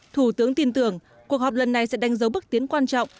thủ tướng tin tưởng cuộc họp lần này sẽ đánh dấu bước tiến quan trọng